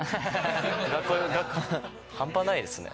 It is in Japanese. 半端ないですね。